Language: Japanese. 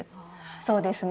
そうですね。